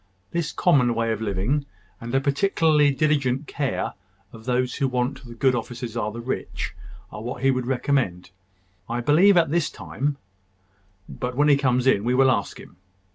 This common way of living, and a particularly diligent care of those who want the good offices of the rich, are what he would recommend, I believe, at this time: but when he comes in, we will ask him.